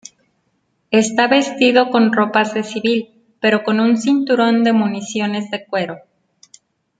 Está vestido con ropas de civil pero con un cinturón de municiones de cuero.